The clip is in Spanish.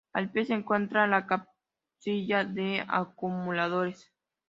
Al pie se encuentra la casilla de acumuladores.